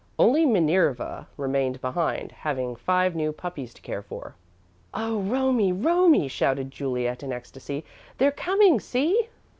Only Minerva remained behind, having five new puppies to care for. "Oh, Romie, Romie!" shouted Juliet, in ecstasy. "They're coming! See!"